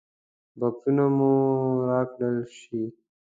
بکسونه مو راکړل شي.